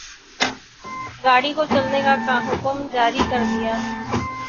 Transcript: گاڑی کو چلنے کا حکم جاری کر دیا